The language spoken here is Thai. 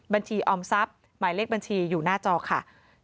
ออมทรัพย์หมายเลขบัญชีอยู่หน้าจอค่ะ